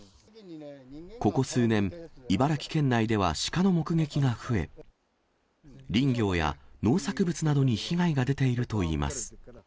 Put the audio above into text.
ここ数年、茨城県内ではシカの目撃が増え、林業や農作物などに被害が出ているといいます。